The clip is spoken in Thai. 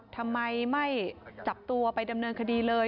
ทำไมไม่จับตัวไปดำเนินคดีเลย